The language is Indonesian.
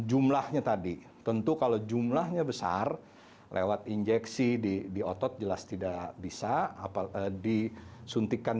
jumlahnya tadi tentu kalau jumlahnya besar lewat injeksi di otot jelas tidak bisa apa disuntikan